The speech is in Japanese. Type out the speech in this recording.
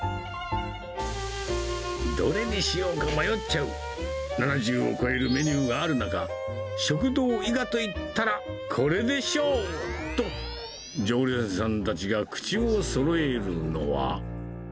どれにしようか迷っちゃう、７０を超えるメニューがある中、食堂伊賀といったら、これでしょうと、常連さんたちが口をそろえるのは。